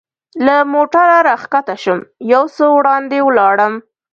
له موټره را کښته شوم، یو څه وړاندې ولاړم.